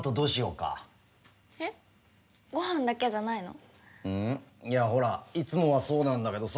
うん？いやほらいつもはそうなんだけどさ